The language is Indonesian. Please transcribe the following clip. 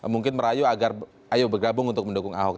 mungkin merayu agar ayo bergabung untuk mendukung ahok